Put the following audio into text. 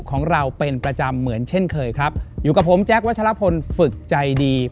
ของเราเป็นประจำเหมือนเช่นเคยครับอยู่กับผมแจ๊ควัชลพลฝึกใจดี